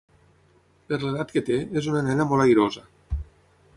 Per l'edat que té, és una nena molt airosa.